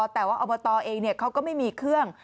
แต่ว่าอบตเองเขาก็ไม่มีเครื่อง